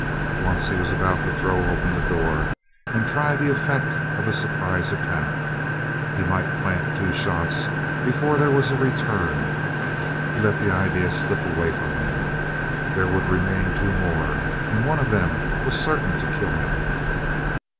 Once he was about to throw open the door and try the effect of a surprise attack. He might plant two shots before there was a return; he let the idea slip away from him. There would remain two more, and one of them was certain to kill him.